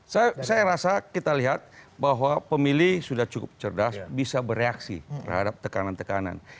saya rasa kita lihat bahwa pemilih sudah cukup cerdas bisa bereaksi terhadap tekanan tekanan